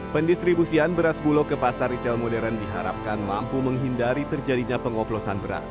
pendistribusian beras bulog ke pasar retail modern diharapkan mampu menghindari terjadinya pengoplosan beras